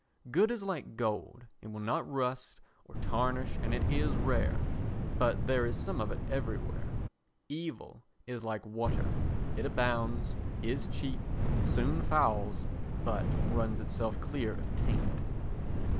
Good is like gold, it will not rust or tarnish and it is rare, but there is some of it everywhere. Evil is like water, it abounds, is cheap, soon fouls, but runs itself clear of taint.